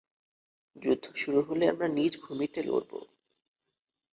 যুদ্ধ শুরু হলে আমরা নিজ ভূমিতে লড়ব।